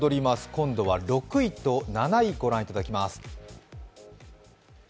今度は６位と７位ご覧いただきます。